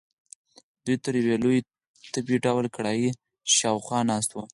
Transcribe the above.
دوی تر یوې لویې تبۍ ډوله کړایۍ شاخوا ناست وو.